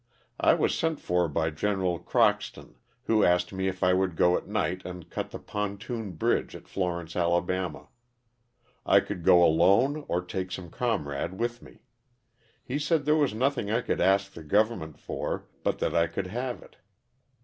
I was sent for by Gen. Crox ton, who asked me if I would go at night and cut the pontoon bridge at Florence, Ala. I could go alone or take some comrade with me. He said there was nothing I could ask the government for but that I could have it.